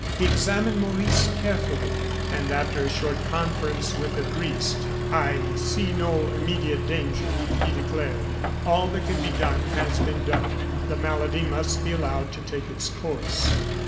He examined Maurice carefully, and, after a short conference with the priest: "I see no immediate danger," he declared. "All that can be done has been done. The malady must be allowed to take its course.